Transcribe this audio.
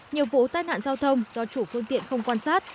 nhiều vụ tai nạn giao thông do chủ phương tiện không quan sát